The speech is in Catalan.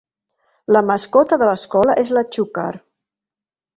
La mascota de l'escola és la chukar.